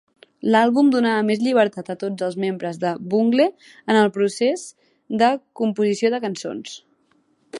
L'àlbum donava més llibertat a tots els membres de Bungle en el procés de composició de cançons.